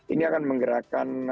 ini akan menggerakkan